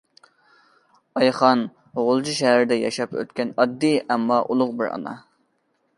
ئايخان غۇلجا شەھىرىدە ياشاپ ئۆتكەن ئاددىي، ئەمما ئۇلۇغ بىر ئانا.